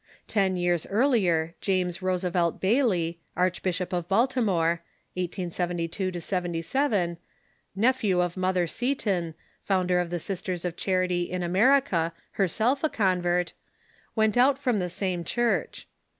Ten years earlier James Roosevelt Bayley, archbishop of Baltimore (1872 77), nephew of Mother Seton, founder of the Sisters of Charity in America, herself a convert, Avent out from the same Church.